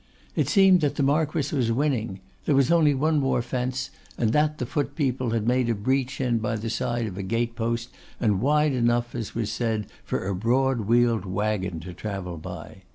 It seemed that the Marquess was winning. There was only one more fence; and that the foot people had made a breach in by the side of a gate post, and wide enough, as was said, for a broad wheeled waggon to travel by.